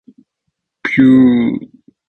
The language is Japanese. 凡すべての思想凡ての行為は表象である。